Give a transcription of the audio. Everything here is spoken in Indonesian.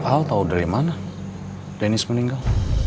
hal tahu dari mana deniz meninggal